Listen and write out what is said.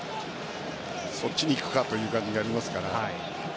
そっちにいくかという感じがありますから。